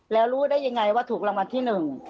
แล้วรู้ได้ยังไงว่าถูกรางวัลที่หนึ่ง